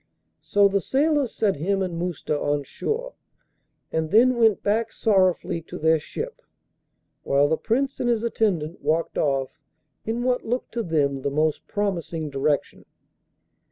So the sailors set him and Mousta on shore, and then went back sorrowfully to their ship, while the Prince and his attendant walked off in what looked to them the most promising direction.